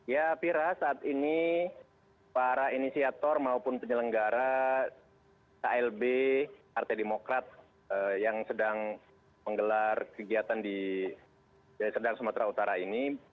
ya pira saat ini para inisiator maupun penyelenggara klb partai demokrat yang sedang menggelar kegiatan di serdang sumatera utara ini